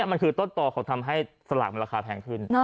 มันคือต้นต่อของทำให้สลากมันราคาแพงขึ้น